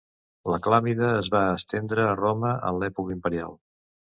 La clàmide es va estendre a Roma en l'època imperial.